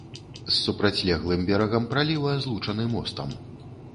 З супрацьлеглым берагам праліва злучаны мостам.